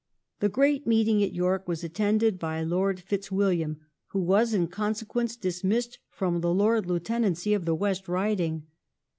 The great meeting at York was attended by Lord FitzWilliam who was in consequence dismissed from the Lord Lieutenancy of the West Riding.